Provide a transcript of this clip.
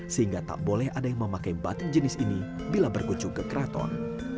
sehingga tak boleh ada yang memakai batik jenis ini bila berkunjung ke keraton